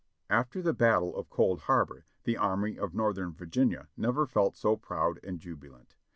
After the Battle of Cold Harbor the Army of Northern Vir ginia never felt so proud and jubilant.